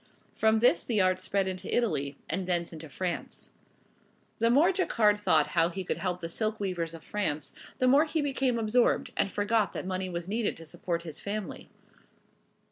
From this the art spread into Italy, and thence into France. The more Jacquard thought how he could help the silk weavers of France the more he became absorbed, and forgot that money was needed to support his family.